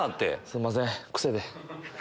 すいません癖で。